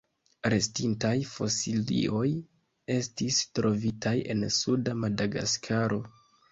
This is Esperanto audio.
Restintaj fosilioj estis trovitaj en suda Madagaskaro.